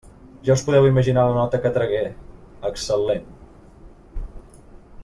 Ja us podeu imaginar la nota que tragué: excel·lent.